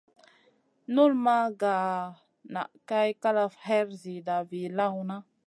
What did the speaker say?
Nul ma nʼga nʼa Kay kalaf her ziida vii lawna.